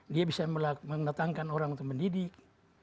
dia bisa mendatangkan orang untuk mendidik